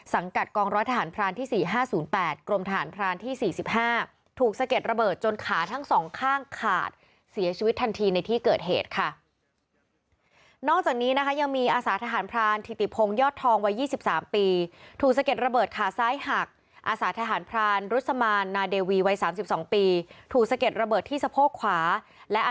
สังกัดกองล้อทหารพลาญที่สี่ห้าศูนย์แปดกรมทหารพลาญที่สี่สิบห้า